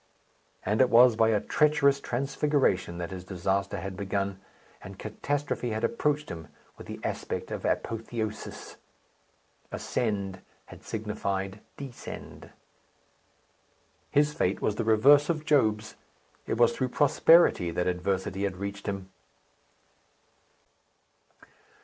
And it was by a treacherous transfiguration that his disaster had begun; and catastrophe had approached him with the aspect of apotheosis! Ascend had signified Descend! His fate was the reverse of Job's. It was through prosperity that adversity had reached him.